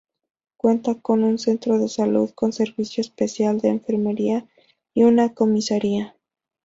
Cuenta con un centro de salud con servicio especial de enfermería y una comisaría.